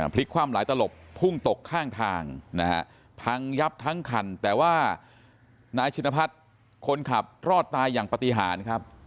พลิกคว่ำหลายตลบพุ่งตกข้างทางนะฮะพังยับทั้งคันแต่ว่านายชินพัฒน์คนขับรอดตายอย่างปฏิหารครับ